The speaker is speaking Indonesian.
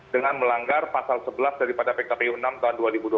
dengan melanggar pasal sebelas daripada pkpu enam tahun dua ribu dua puluh